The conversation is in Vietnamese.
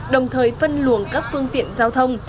đồng thời phân luồng các phương tiện giao thông